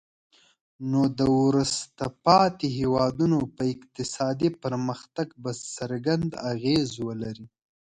نو د وروسته پاتې هیوادونو په اقتصادي پرمختګ به څرګند اغیز ولري.